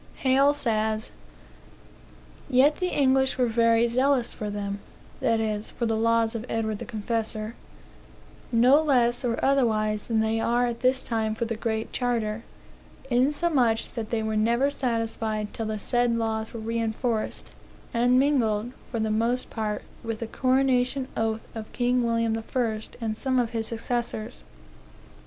Hale says: "Yet the English were very zealous for them," (that is, for the laws of Edward the Confessor,) "no less or otherwise than they are at this time for the Great Charter; insomuch that they were never satisfied till the said laws were reenforced, and mingled, for the most part, with the coronation oath of king William I., and some of his successors."